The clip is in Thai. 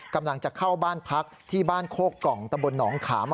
กำลังจะเข้าบ้านพักที่บ้านโคกกล่องตะบนหนองขาม